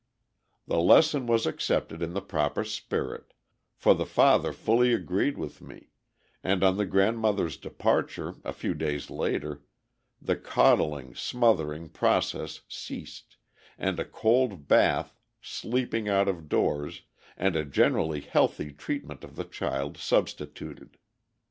The lesson was accepted in the proper spirit, for the father fully agreed with me, and on the grandmother's departure, a few days later, the coddling, smothering process ceased, and a cold bath, sleeping out of doors, and a generally healthy treatment of the child substituted.